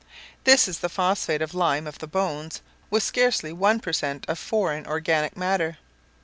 This is the phosphate of lime of the bones, with scarcely one per cent. of foreign organic matter.